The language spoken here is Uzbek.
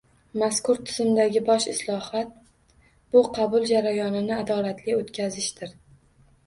Mazkur tizimdagi bosh islohot — bu qabul jarayonini adolatli oʻtkazishdir.